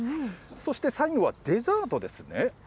そして最後はデザートですね。